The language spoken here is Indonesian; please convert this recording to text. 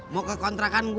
mau ke kontrakan saya